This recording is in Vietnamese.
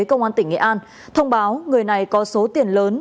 công an tỉnh nghệ an thông báo người này có số tiền lớn